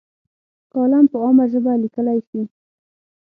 کالم په عامه ژبه لیکلی شي.